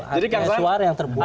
ada suara yang terbuang